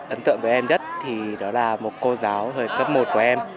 ấn tượng với em nhất thì đó là một cô giáo hồi cấp một của em